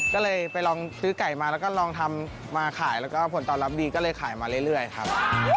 ก็เลยไปลองซื้อไก่มาแล้วก็ลองทำมาขายแล้วก็ผลตอบรับดีก็เลยขายมาเรื่อยครับ